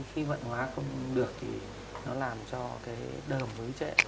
khi vận hóa không được thì nó làm cho cái đờm hứa trệ và nó đầy đủ do